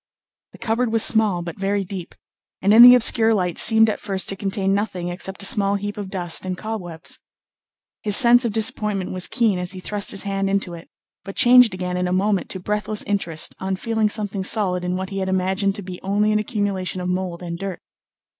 The cupboard was small but very deep, and in the obscure light seemed at first to contain nothing except a small heap of dust and cobwebs. His sense of disappointment was keen as he thrust his hand into it, but changed again in a moment to breathless interest on feeling something solid in what he had imagined to be only an accumulation of mould and dirt.